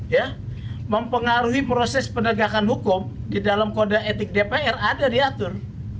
ya mempengaruhi proses penegakan hukum di dalam kode etik dpr ada diatur